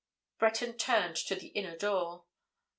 Breton turned to the inner door.